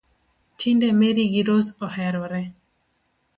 Tinde Mary gi Rose oherore